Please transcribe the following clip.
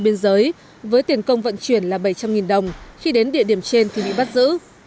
biên giới với tiền công vận chuyển là bảy trăm linh đồng khi đến địa điểm trên thì bị bắt giữ